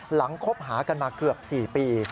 คบหากันมาเกือบ๔ปี